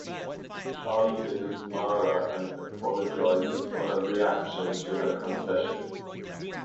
Charlie visits Mara and apologizes for her reaction to her confession.